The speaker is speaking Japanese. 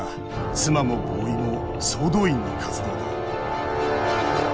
妻もボーイも総動員の活動だ」。